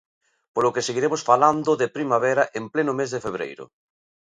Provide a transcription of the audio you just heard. Polo que seguiremos falando de primavera en pleno mes de febreiro.